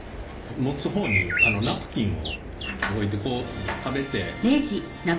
持つ方にナプキンを置いてこう食べてこっちで拭いて。